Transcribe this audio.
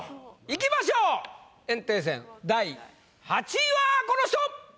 いきましょう炎帝戦第８位はこの人！